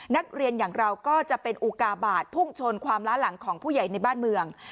นักเรียนอย่างเราก็จะเป็นอุกาบาทพุ่งชนความล้าหลังของผู้ใหญ่ในบ้านเมือง